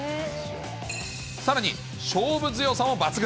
さらに勝負強さも抜群。